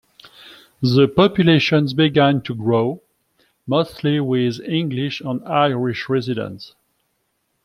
The population began to grow, mostly with English and Irish residents.